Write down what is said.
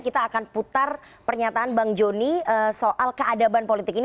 kita akan putar pernyataan bang joni soal keadaban politik ini